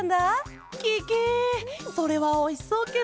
ケケそれはおいしそうケロ。